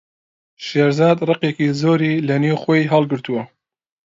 شێرزاد ڕقێکی زۆری لەنێو خۆی هەڵگرتووە.